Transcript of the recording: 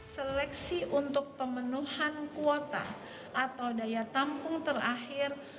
seleksi untuk pemenuhan kuota atau daya tampung terakhir